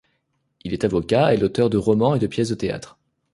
Il est avocat et l’auteur de romans et de pièces de théâtre.